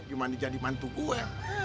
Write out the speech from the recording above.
gimana jadi mantu gue